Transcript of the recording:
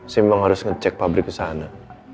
saya memang harus ngecek pabrik kesana